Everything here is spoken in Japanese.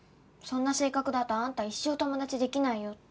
「そんな性格だとあんた一生友達できないよ」